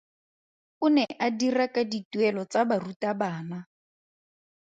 O ne a dira ka dituelo tsa barutabana.